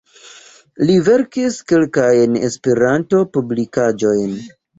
Li verkis kelkajn Esperanto-publikaĵojn.